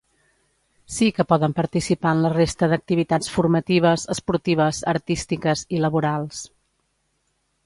Sí que poden participar en la resta d’activitats formatives, esportives, artístiques i laborals.